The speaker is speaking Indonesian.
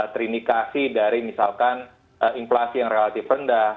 terindikasi dari misalkan inflasi yang relatif rendah